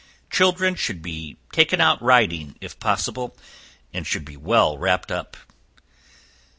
Children should be taken out riding if possible, and should be well wrapped up.